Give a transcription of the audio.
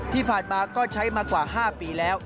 ที่ผ่านมาก็ใช้มากว่า๕ปีแล้ว